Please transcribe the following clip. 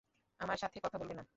আমার সাথে কথা বলবে না?